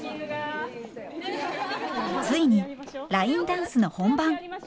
ついにラインダンスの本番。